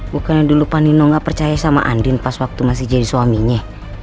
bukannya dulu panino nggak percaya sama andin pas waktu masih jadi suaminya